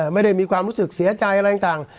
ไม่ได้มีความรู้สึกเสียใจอะไรต่าง